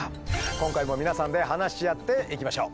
今回も皆さんで話し合っていきましょう。